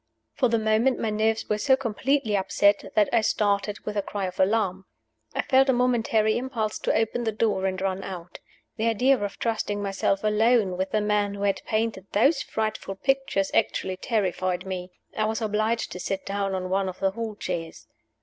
For the moment my nerves were so completely upset that I started with a cry of alarm. I felt a momentary impulse to open the door and run out. The idea of trusting myself alone with the man who had painted those frightful pictures actually terrified me; I was obliged to sit down on one of the hall chairs.